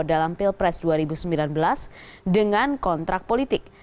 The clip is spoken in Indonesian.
dalam pilpres dua ribu sembilan belas dengan kontrak politik